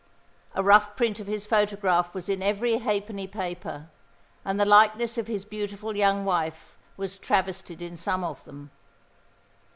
A rough print of his photograph was in every halfpenny paper, and the likeness of his beautiful young wife was travestied in some of them.